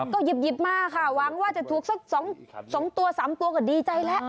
ก็หยิบมาค่ะหวังว่าจะถูกสัก๒ตัว๓ตัวก็ดีใจแล้ว